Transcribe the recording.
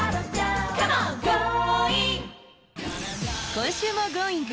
今週もＧｏｉｎｇ！